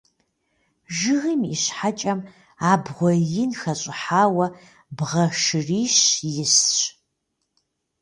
Жыгым и щхьэкӏэм абгъуэ ин хэщӏыхьауэ бгъэ шырищ ист.